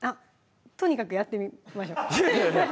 とにかくやってみましょう